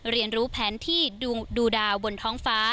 เรียนรู้แผนที่ดูดาวบนท้องฟ้า